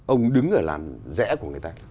ông đứng ở làn rẽ của người ta